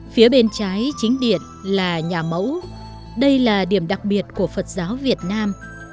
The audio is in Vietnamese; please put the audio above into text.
phía bên trái chính điện là nhà mẫu đây là điểm đặc biệt của phật giáo việt nam